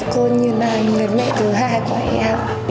cô như là người mẹ thứ hai của em